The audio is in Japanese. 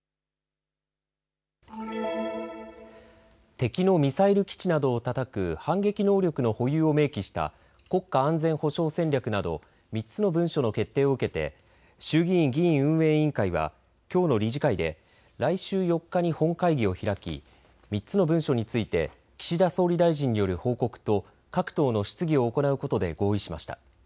敵のミサイル基地などをたたく反撃能力の保有を明記した国家安全保障戦略など３つの文書の決定を受けて衆議院議院運営委員会はきょうの理事会で来週４日に本会議を開き３つの文書について岸田総理大臣による報告と各党の質疑を行うことで合意しました。